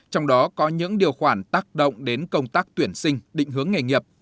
trong đó có những điều khoản tác động đến công tác tuyển sinh định hướng nghề nghiệp